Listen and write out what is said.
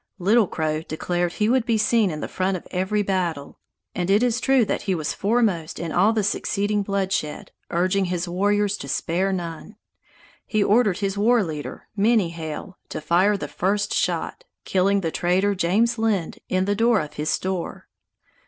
Little Crow declared he would be seen in the front of every battle, and it is true that he was foremost in all the succeeding bloodshed, urging his warriors to spare none. He ordered his war leader, Many Hail, to fire the first shot, killing the trader James Lynd, in the door of his store.